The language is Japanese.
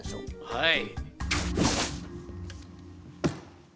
はい。